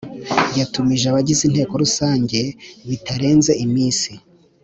Yatumuje abagize Inteko Rusange bitarenze iminsi